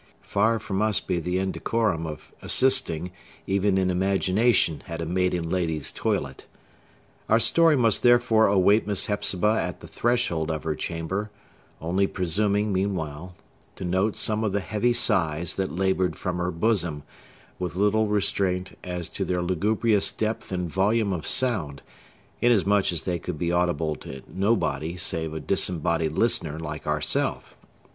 Far from us be the indecorum of assisting, even in imagination, at a maiden lady's toilet! Our story must therefore await Miss Hepzibah at the threshold of her chamber; only presuming, meanwhile, to note some of the heavy sighs that labored from her bosom, with little restraint as to their lugubrious depth and volume of sound, inasmuch as they could be audible to nobody save a disembodied listener like ourself.